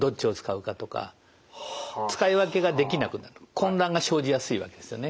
混乱が生じやすいわけですよね。